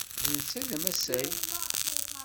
D netta ay d amasay.